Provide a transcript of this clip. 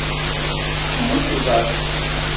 Meng osse vala.